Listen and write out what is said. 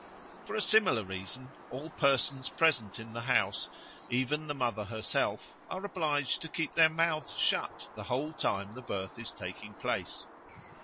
For a similar reason all persons present in the house, even the mother herself, are obliged to keep their mouths shut the whole time the birth is taking place.